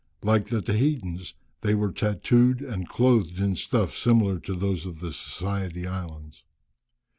Like the Tahitans they were tattooed, and clothed in stuffs similar to those of the Society Islands.